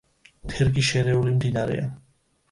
თერგი შერეული მდინარეა.